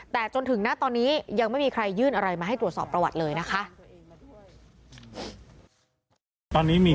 ปกติการตรวจสอบจะใช้เวลานานนี้